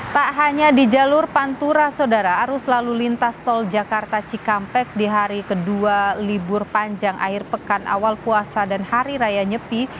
tak hanya di jalur pantura sodara arus lalu lintas tol jakarta cikampek di hari kedua libur panjang akhir pekan awal puasa dan hari raya nyepi